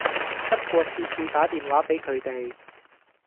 不過次次打電話俾佢哋